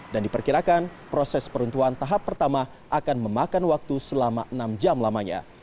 dan diperkirakan proses peruntuhan tahap pertama akan memakan waktu selama enam jam lamanya